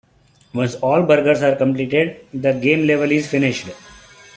Once all burgers are completed, the game level is finished.